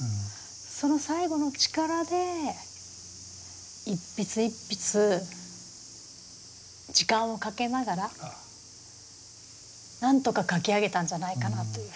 その最後の力で一筆一筆時間をかけながらなんとか書き上げたんじゃないかなというふうに。